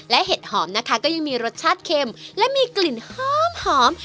และเห็ดหอมนะคะก็ยังมีรสชาติเค็มและมีกลิ่นหอม